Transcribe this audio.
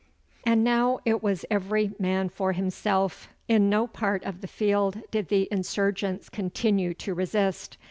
And now it was every man for himself. In no part of the field did the insurgents continue to resist.